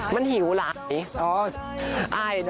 มันหิวหลาย